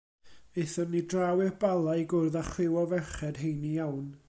Aethon ni draw i'r Bala i gwrdd â chriw o ferched heini iawn.